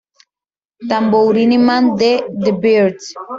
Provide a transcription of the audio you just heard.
Tambourine Man" de the Byrds.